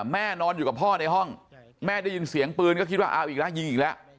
นอนอยู่กับพ่อในห้องแม่ได้ยินเสียงปืนก็คิดว่าเอาอีกแล้วยิงอีกแล้ว